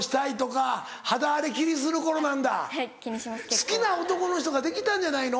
好きな男の人ができたんじゃないの？